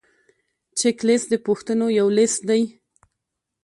چک لیست د پوښتنو یو لیست دی.